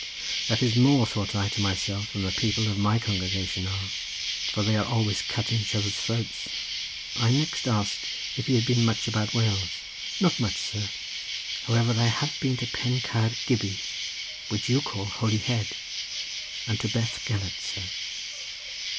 "That is more," thought I to myself, "than the people of my congregation are; they are always cutting each other's throats." I next asked if he had been much about Wales. "Not much, sir. However, I have been to Pen Caer Gybi, which you call Holy Head, and to Bethgelert, sir."